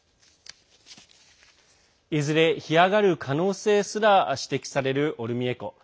いずれ干上がる可能性すら指摘されるオルミエ湖。